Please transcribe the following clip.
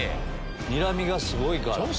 にらみがすごいから。